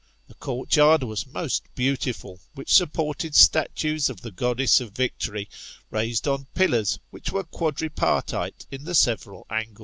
The court yard was most beautiful, which supported statues of the goddess of Victory, raised on pillars, which were quadripartite in the several angles : [i>.